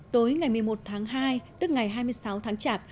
tối ngày một mươi một tháng hai tức ngày hai mươi sáu tháng chạp